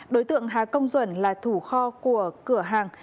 đối tượng hà công duẩn là thủ kho của cửa hàng